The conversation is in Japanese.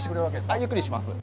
はい、ゆっくりします。